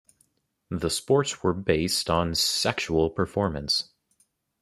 The sports were based on sexual performance.